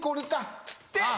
っつって。